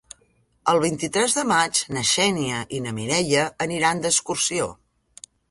El vint-i-tres de maig na Xènia i na Mireia aniran d'excursió.